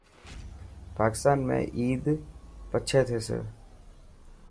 پاڪستان ۾ عيد پڇي ٿيسي.